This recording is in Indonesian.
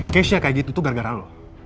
keisha kayak gitu tuh gara gara lo